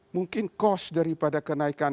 mungkin kos daripada kenaikan